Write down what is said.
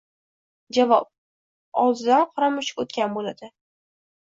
Javob: Oldidan qora mushuk o‘tgan bo‘ladi.